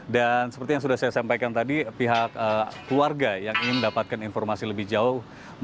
dan seperti yang sudah saya sampaikan tadi pihak keluarga yang ingin mendapatkan informasi lebih jauh